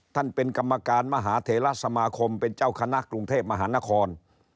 เป็นกรรมการมหาเทราสมาคมเป็นเจ้าคณะกรุงเทพมหานคร